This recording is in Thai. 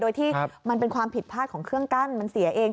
โดยที่มันเป็นความผิดพลาดของเครื่องกั้นมันเสียเอง